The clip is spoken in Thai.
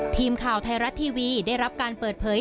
ทีมข่าวไทยรัฐทีวีได้รับการเปิดเผย